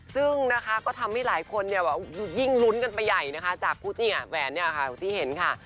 ซึ่งนะคะก็ทำให้หลายคนเนี่ยยิ่งลุ้นกันไปใหญ่นะคะจากผู้ที่แหวนเนี่ยค่ะที่เห็นค่ะ